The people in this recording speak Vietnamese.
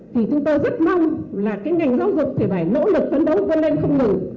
thì chúng tôi rất mong là ngành giáo dục phải nỗ lực phấn đấu vân lên không ngừng